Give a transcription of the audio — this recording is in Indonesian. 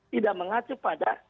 tidak mengacu pada